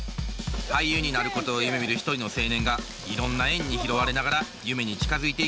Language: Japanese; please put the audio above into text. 俳優になることを夢みる一人の青年がいろんな縁に拾われながら夢に近づいていく物語です。